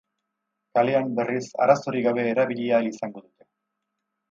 Kalean, berriz, arazorik gabe erabili ahal izango dute.